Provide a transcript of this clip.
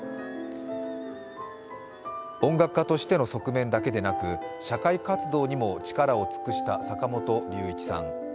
音楽家としての側面だけでなく社会活動にも力を尽くした坂本龍一さん。